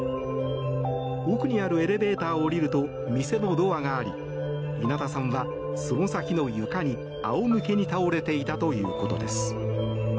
奥にあるエレベーターを降りると店のドアがあり稲田さんは、その先の床に仰向けに倒れていたということです。